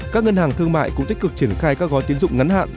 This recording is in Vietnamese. các ngân hàng thương mại cũng tích cực triển khai các gói tiến dụng ngắn hạn